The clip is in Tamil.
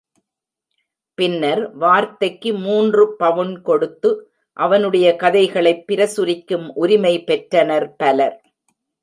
பின்னர், வார்த்தைக்கு மூன்று பவுன் கொடுத்து, அவனுடைய கதைகளைப் பிரசுரிக்கும் உரிமை பெற்றனர் பலர்.